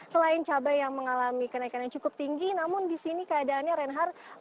selain cabai yang mengalami kenaikan yang cukup tinggi namun di sini keadaannya reinhardt